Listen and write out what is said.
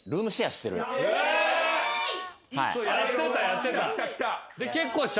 やってたやってた。